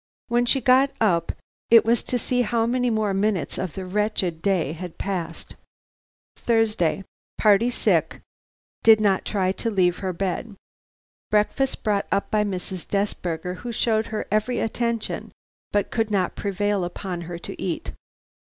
When she got up it was to see how many more minutes of the wretched day had passed. "Thursday. "Party sick; did not try to leave her bed. Breakfast brought up by Mrs. Desberger, who showed her every attention, but could not prevail upon her to eat.